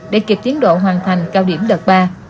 để kịp tiến độ hoàn thành cao điểm đợt ba